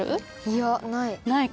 いやない。